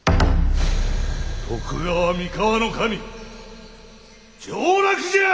徳川三河守上洛じゃ！